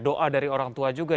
doa dari orang tua juga